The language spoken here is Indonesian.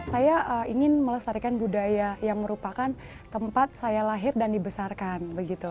saya ingin melestarikan budaya yang merupakan tempat saya lahir dan dibesarkan